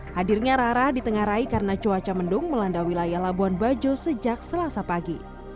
hadirnya rara ditengarai karena cuaca mendung melanda wilayah labuan bajo sejak selasa pagi